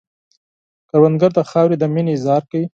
کروندګر د خاورې د مینې اظهار کوي